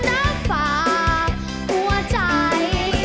จะฝากหัวใจ